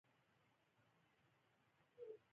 د رسنیو ژبه باید ساده او روښانه وي.